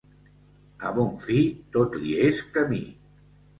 A bon fi tot li és camí.